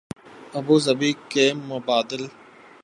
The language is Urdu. ابوظہبی کی مبادل